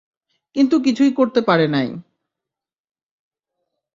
কিন্তু কিছুই করতে পারে নাই।